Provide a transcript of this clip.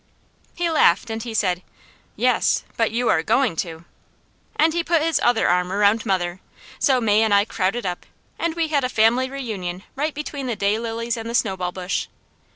He laughed, and he said: "Yes, but you'ah going to!" And he put his other arm around mother, so May and I crowded up, and we had a family reunion right between the day lilies and the snowball bush.